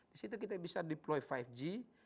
di situ kita bisa deploy lima g